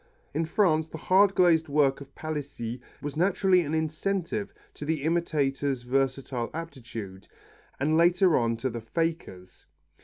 In France the hard glazed work of Palissy was naturally an incentive to the imitator's versatile aptitude, and later on to the faker's.